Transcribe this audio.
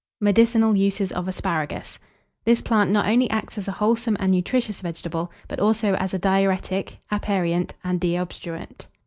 MEDICINAL USES OF ASPARAGUS. This plant not only acts as a wholesome and nutritious vegetable, but also as a diuretic, aperient, and deobstruent.